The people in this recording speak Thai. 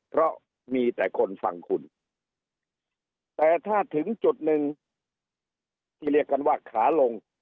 เพราะมีแต่คนฟังคุณแต่ถ้าถึงจุดหนึ่งที่เรียกกันว่าขาลง